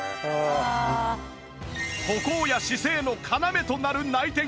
歩行や姿勢の要となる内転筋